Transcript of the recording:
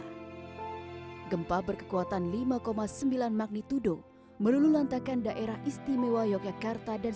hai gempa berkekuatan lima sembilan magnitude melununtakan daerah istimewa yogyakarta dan